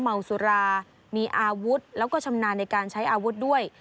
เมาสุรามีอาวุธแล้วก็ชำนาญในการใช้อาวุธด้วย